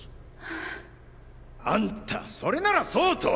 はぁ。あんたそれならそうと。